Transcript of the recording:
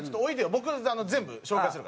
僕全部紹介するから。